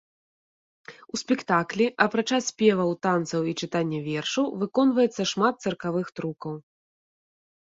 У спектаклі, апрача спеваў, танцаў і чытання вершаў, выконваецца шмат цыркавых трукаў.